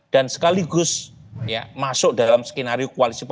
dan sekaligus masuk dalam skenario kualisi papua